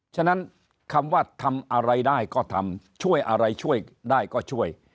ฉะนั้นคำว่าทำอะไรได้ก็ทำช่วยอะไรช่วยได้ก็ช่วย